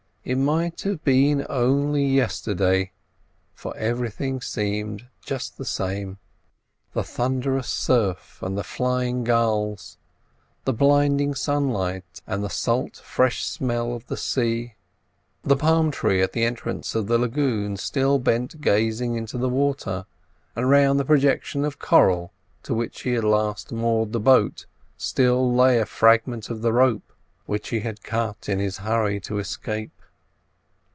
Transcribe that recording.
It might have been only yesterday, for everything seemed just the same. The thunderous surf and the flying gulls, the blinding sunlight, and the salt, fresh smell of the sea. The palm tree at the entrance of the lagoon still bent gazing into the water, and round the projection of coral to which he had last moored the boat still lay a fragment of the rope which he had cut in his hurry to escape.